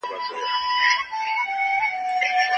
که اثر ونه څېړئ پایله نه ترلاسه کیږي.